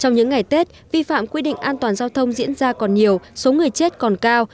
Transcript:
trong những ngày tết vi phạm quy định an toàn giao thông diễn ra còn nhiều số người chết còn cao